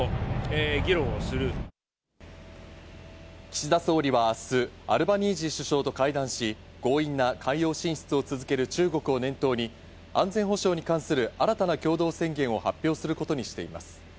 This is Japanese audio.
岸田総理は明日、アルバニージー首相と会談し、強引な海洋進出を続ける中国を念頭に、安全保障に関する新たな共同宣言を発表することにしています。